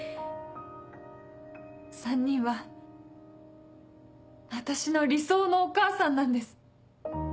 ３人は私の理想のお母さんなんです。